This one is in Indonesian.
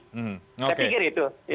saya pikir itu